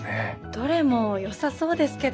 どれもよさそうですけど。